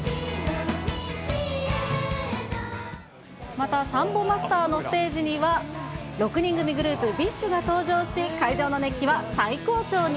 またサンボマスターのステージには、６人組グループ、ＢｉＳＨが登場し、会場の熱気は最高潮に。